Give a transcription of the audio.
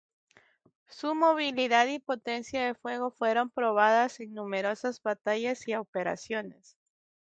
Su movilidad y potencia de fuego fueron probadas en numerosas batallas y operaciones.